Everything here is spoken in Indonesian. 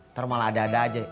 ntar malah ada ada aja